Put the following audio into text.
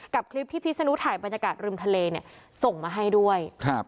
กับคลิปที่พิษนุถ่ายบรรยากาศรึมทะเลส่งมาให้ด้วย